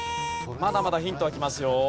まだまだヒントはきますよ。